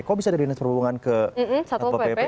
kok bisa dari dinas perhubungan ke satpo pp